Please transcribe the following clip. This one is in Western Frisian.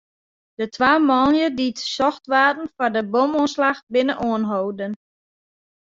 De twa manlju dy't socht waarden foar de bomoanslach, binne oanholden.